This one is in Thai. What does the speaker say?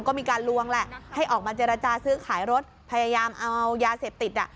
ก็มีการลวงแหละให้ออกมาเจรจาซื้อขายรถพยายามเอายาเสพติด